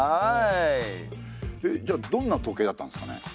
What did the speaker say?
じゃあどんな時計だったんですかね？